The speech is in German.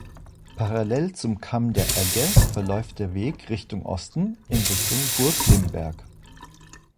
Parallel zum Kamm der Egge verläuft der Weg Richtung Osten in Richtung Burg Limberg.